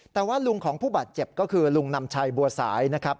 แต่ว่าลุงของผู้บาดเจ็บก็คือลุงนำชัยบัวสายนะครับ